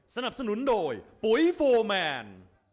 สนับสนุนโดยปุ๋ยโฟร์แมน